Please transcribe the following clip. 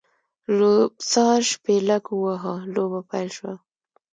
لوبڅار شپېلک ووهه؛ لوبه پیل شوه.